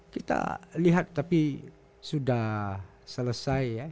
kita lihat tapi sudah selesai ya